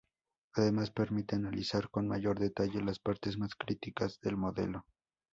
Además permite analizar con mayor detalle las partes más críticas del modelo.